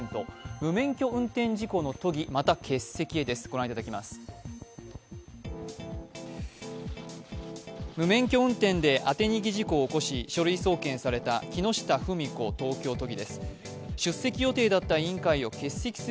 無免許運転で当て逃げ事故を起こし書類送検された書類送検された木下富美子東京都議です。